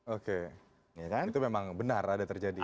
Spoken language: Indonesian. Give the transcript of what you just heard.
oke itu memang benar ada terjadi